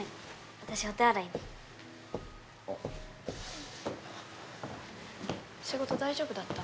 私お手洗いに仕事大丈夫だった？